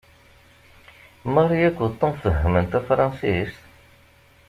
Mary akked Tom fehhmen tafṛansist?